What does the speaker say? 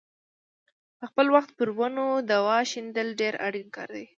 په خپل وخت پر ونو دوا شیندل ډېر اړین کار دی.